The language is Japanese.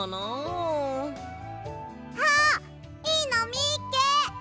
あっいいのみっけ！